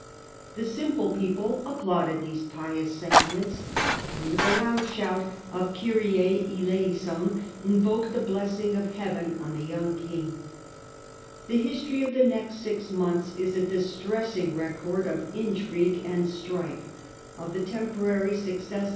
The simple people applauded these pious sentiments, and with a loud shout of ' Kyrie Eleison ' invoked the blessing of heaven on the young king. The history of the next six months is a distressing record of intrigue and strife, of the temporary success Digitized by VjOOQIC The Last Years of Henry IV.